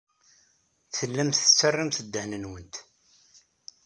Tellamt tettarramt ddehn-nwent.